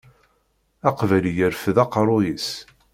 Aqbayli irfed aqerru-s.